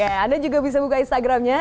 oke anda juga bisa buka instagramnya